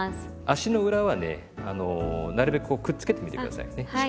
足の裏はねなるべくこうくっつけてみて下さいね。